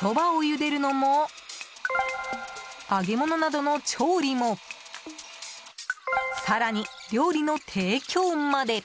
そばをゆでるのも揚げ物などの調理も更に、料理の提供まで。